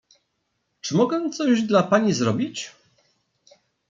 Czy mogę coś dla pani zrobić?